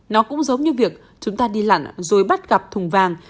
nó cũng giống như việc chúng ta đi lặn rồi bắt gặp thùng vàng